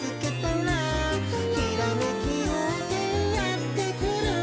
「ひらめきようせいやってくる」